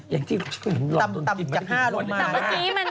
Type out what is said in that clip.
เยี่ยมตำจัด๕ลงมา